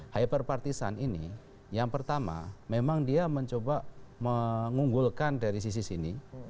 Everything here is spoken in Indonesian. hyper partisan ini yang pertama memang dia mencoba mengunggulkan dari sisi sini